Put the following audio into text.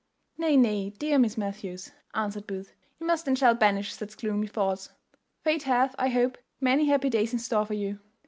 "Nay, nay, dear Miss Matthews," answered Booth, "you must and shall banish such gloomy thoughts. Fate hath, I hope, many happy days in store for you."